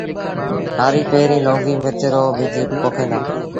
هآريٚ پيريٚݩ لونگي مرچ رو ٻج پوکين دآ